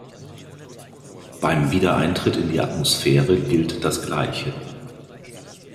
Beim Wiedereintritt in die Atmosphäre gilt das Gleiche.